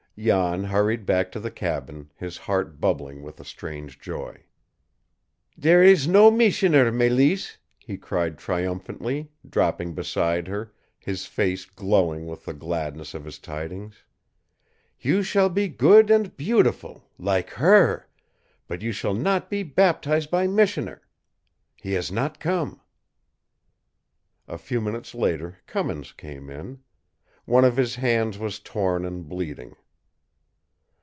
Jan hurried back to the cabin, his heart bubbling with a strange joy. "There ees no missioner, Mélisse!" he cried triumphantly, dropping beside her, his face glowing with the gladness of his tidings. "You shall be good and beautiful, lak HER, but you shall not be baptize by missioner! He has not come!" A few minutes later Cummins came in. One of his hands was torn and bleeding.